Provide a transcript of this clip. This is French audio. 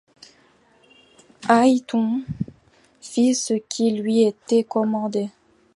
Ayrton fit ce qui lui était commandé.